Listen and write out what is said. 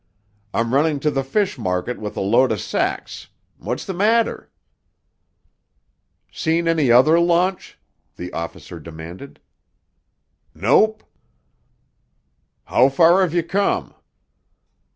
"I'm runnin' to th' fish market with a load o' sacks. What's th' matter?" "Seen any other launch?" the officer demanded. "Nope!" "How far have you come?"